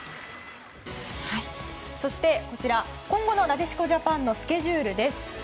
そして、今後のなでしこジャパンのスケジュール。